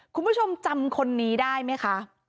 คุณผู้ชมจำคนนี้ได้ไหมคะ